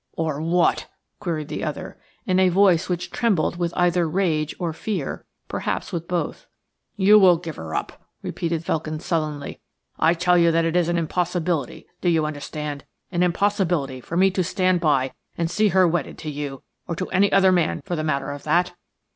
"Or what?" queried the other, in a voice which trembled with either rage or fear–perhaps with both. "You will give her up," repeated Felkin, sullenly. "I tell you that it is an impossibility–do you understand?–an impossibility for me to stand by and see her wedded to you, or to any other man for the matter of that.